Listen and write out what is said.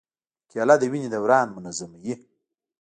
کېله د وینې دوران منظموي.